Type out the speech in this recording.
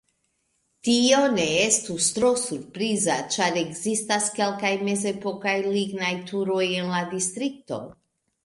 Tio ne estus tro surpriza ĉar ekzistas kelkaj mezepokaj lignaj turoj en la distrikto.